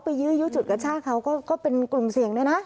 ยื้อยุจุดกระชากเขาก็เป็นกลุ่มเสี่ยงด้วยนะ